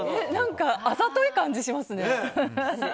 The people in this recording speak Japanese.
あざとい感じしますね。